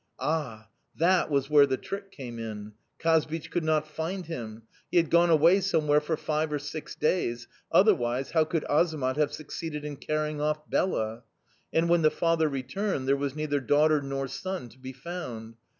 "Ah, that was where the trick came in! Kazbich could not find him; he had gone away somewhere for five or six days; otherwise, how could Azamat have succeeded in carrying off Bela? "And, when the father returned, there was neither daughter nor son to be found.